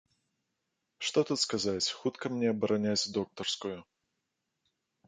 Што тут сказаць, хутка мне абараняць доктарскую.